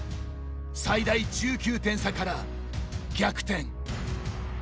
最大１９点差から逆転！